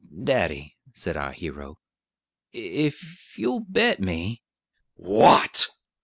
"Daddy," said our hero, "ef you'll bet me " "What!"